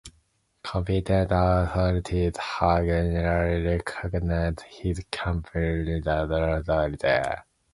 Competent authorities have generally recognised his capabilities as a soldier.